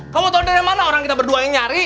kamu tahu dari mana orang kita berduanya nyari